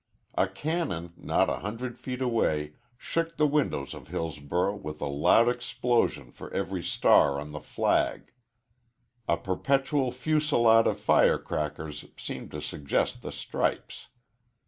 A cannon, not a hundred feet away, shook the windows of Hillsborough with a loud explosion for every star on the flag. A perpetual fusillade of fire crackers seemed to suggest the stripes.